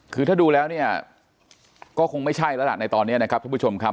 คือถ้าดูแล้วเนี่ยก็คงไม่ใช่แล้วล่ะในตอนนี้นะครับท่านผู้ชมครับ